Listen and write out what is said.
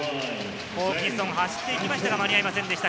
ホーキンソン、走って行きましたが間に合いませんでした。